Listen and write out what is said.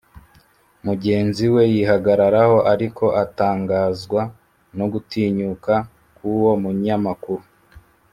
mugenzi we yihagararaho ariko atangazwa no gutinyuka kw'uwo munyamakuru.